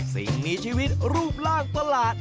สิ่งมีชีวิตรูปร่างประหลาด